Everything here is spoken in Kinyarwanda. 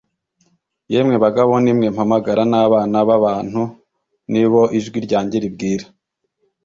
“yemwe bagabo, ni mwe mpamagara, n’abana b’abantu ni bo ijwi ryanjye ribwira